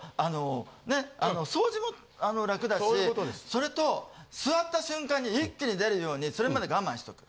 それと座った瞬間に一気に出るようにそれまで我慢しとく。